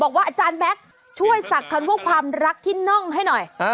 บอกว่าอาจารย์แม็กซ์ช่วยศักดิ์กันพวกความรักที่น่องให้หน่อย